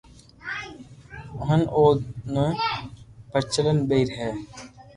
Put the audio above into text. ون اُو تو بدچلن ٻئير ھي